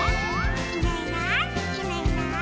「いないいないいないいない」